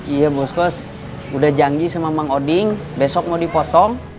iya bos kos udah janji sama mang odin besok mau dipotong